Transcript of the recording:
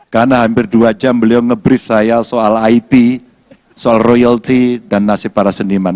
karena hampir dua jam beliau ngebrief saya soal ip soal royalty dan nasib para seniman